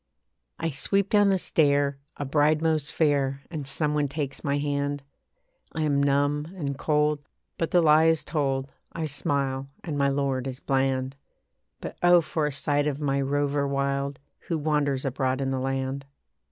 I sweep down the stair, a bride most fair, And some one takes my hand. I am numb and cold, but the lie is told, I smile and my lord is bland. But oh! for a sight of my rover wild, Who wanders abroad in the land.